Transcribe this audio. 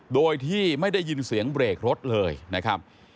โดยที่ไม่ได้ยินเสียงเบรกรถเลยนะครับ